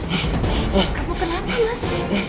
kamu kenapa mas